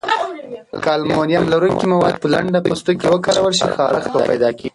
که المونیم لرونکي مواد په لنده پوستکي وکارول شي، خارښت پیدا کېږي.